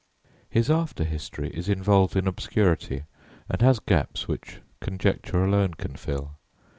His after history is involved in obscurity and has gaps which conjecture alone can fill.